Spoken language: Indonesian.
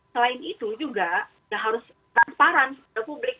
selain itu juga ya harus transparan kepada publik